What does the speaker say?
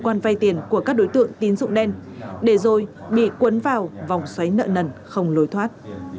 các đối tượng tỉnh vây tiền của các đối tượng tín dụng đen để rồi bị cuốn vào vòng xoáy nợ nần không lối thoát